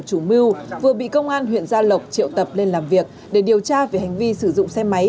chủ mưu vừa bị công an huyện gia lộc triệu tập lên làm việc để điều tra về hành vi sử dụng xe máy